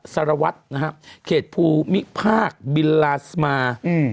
สารวัตรนะครับเขตภูมิภาคบิลลาสมาอืม